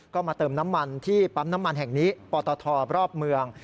ก็มาเติมน้ำมันที่ปั๊มน้ำมันแห่งนี้ปตทรอบเมือง